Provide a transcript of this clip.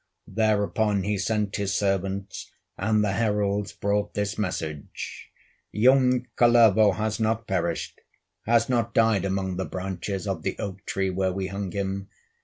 Thereupon he sent his servants, And the heralds brought this message: "Young Kullervo has not perished, Has not died among the branches Of the oak tree where we hung him.